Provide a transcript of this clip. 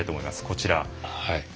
こちら。